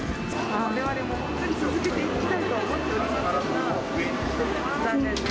われわれも本当に続けていきたいと思っておりました。